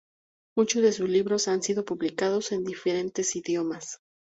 Muchos de sus libros han sido publicados en diferentes idiomas.